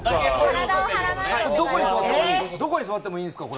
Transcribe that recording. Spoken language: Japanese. どこに座ってもいいんですか？